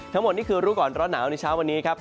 ทั้งหมดนี่คือรู้ก่อนร้อนหนาวในเช้าวันนี้ครับ